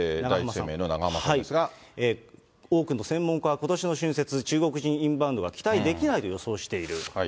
多くの専門家は、ことしの春節、中国人インバウンドは期待できないと予想している。